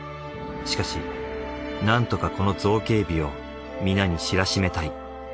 しかしなんとかこの造形美を皆に知らしめたい。